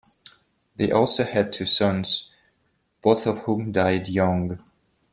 They also had two sons, both of whom died young.